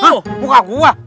hah muka gua